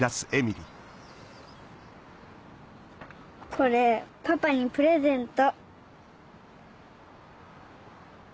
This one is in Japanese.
これパパにプレゼント。